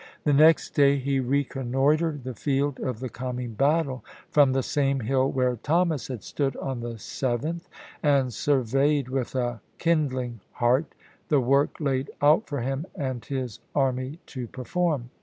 The next day he reconnoitered the field of the coming battle, from the same hill where Thomas had stood on the 7th, and surveyed with a kindling heart the work laid out for him and his army to perform.